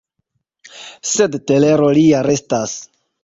Sed telero lia restas.